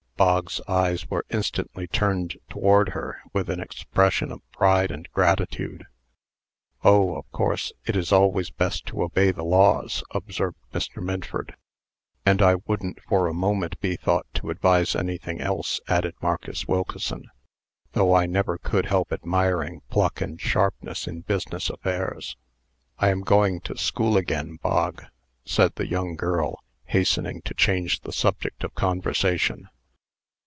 Bog's eyes were instantly turned toward her with an expression of pride and gratitude. "Oh! of course, it is always best to obey the laws," observed Mr. Minford. "And I wouldn't for a moment be thought to advise anything else," added Marcus Wilkeson; "though I never could help admiring pluck and sharpness in business affairs." "I am going to school again, Bog," said the young girl, hastening to change the subject of conversation.